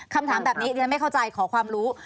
คำถามแบบนี้ดิฉันไม่เข้าใจขอความรู้